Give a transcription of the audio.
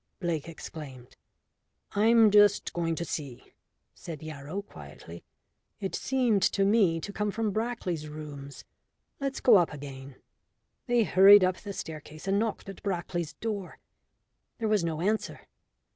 Blake exclaimed. "I'm just going to see," said Yarrow, quietly. "It seemed to me to come from Brackley's rooms. Let's go up again." They hurried up the staircase and knocked at Brackley's door. There was no answer.